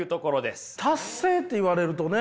達成って言われるとね。